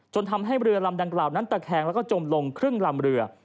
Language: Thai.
ทำให้เรือลำดังกล่าวนั้นตะแคงแล้วก็จมลงครึ่งลำเรือ